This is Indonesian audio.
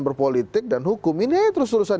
berpolitik dan hukum ini terus terusan